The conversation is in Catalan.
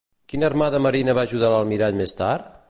Quina armada marina va ajudar l'almirall més tard?